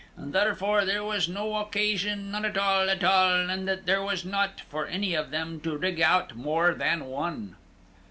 And therefore there was no occasion, none at all, at all, and that there was not, for any of them to rig out more than one."